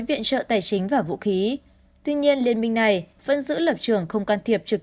viện trợ tài chính và vũ khí tuy nhiên liên minh này vẫn giữ lập trường không can thiệp trực